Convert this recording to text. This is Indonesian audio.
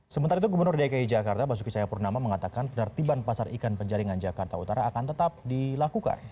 sementara itu gubernur dki jakarta basuki cahayapurnama mengatakan penertiban pasar ikan penjaringan jakarta utara akan tetap dilakukan